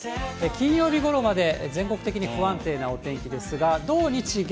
金曜日ごろまで全国的に不安定なお天気ですが、土日月